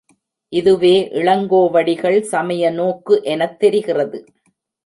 இதுவே இளங்கோவடிகள் சமய நோக்கு எனத் தெரிகிறது.